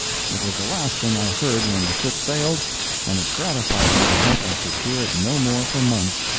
It was the last thing I heard when the ship sailed, and it gratified me to think I should hear it no more for months.